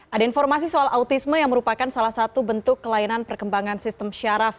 ada informasi soal autisme yang merupakan salah satu bentuk kelainan perkembangan sistem syaraf